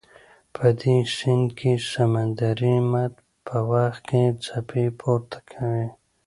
په دې سیند کې سمندري مد په وخت کې څپې پورته کوي.